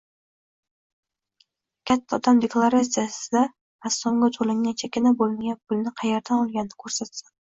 Katta odam deklaratsiyasida rassomga to'langan chakana bo'lmagan pulni qayerdan olganini ko'rsatsin